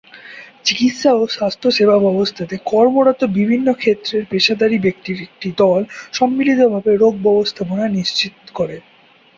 চিকিৎসা ও স্বাস্থ্যসেবা ব্যবস্থাতে কর্মরত বিভিন্ন ক্ষেত্রের পেশাদারী ব্যক্তির একটি দল সম্মিলিতভাবে রোগ ব্যবস্থাপনা নিশ্চিত করে।